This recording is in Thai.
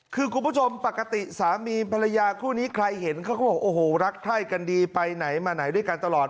คือปกติสามีภรรยากลุ่นนี้ใครเห็นรักไข้กันดีไปไหนมาไหนด้วยกันตลอด